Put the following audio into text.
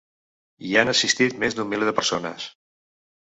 Hi han assistit més d’un miler de persones.